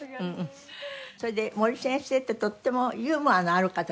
それで森先生ってとってもユーモアのある方だったじゃない。